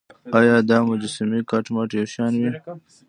ایا دا مجسمې کټ مټ یو شان وې.